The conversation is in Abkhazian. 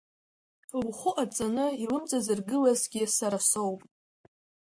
Лхәы ҟаҵаны илымҵазыргылазгьы сара соуп.